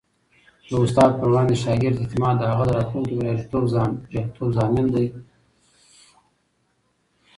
د استاد پر وړاندې د شاګرد اعتماد د هغه د راتلونکي بریالیتوب ضامن دی.